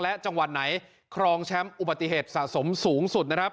และจังหวัดไหนครองแชมป์อุบัติเหตุสะสมสูงสุดนะครับ